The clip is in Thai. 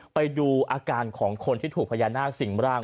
ไปดูอาการของคนที่ถูกพญานาคสิ่งร่าง